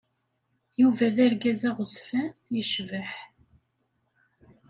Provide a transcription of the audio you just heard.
Yuba d argaz aɣezfan, yecbeḥ.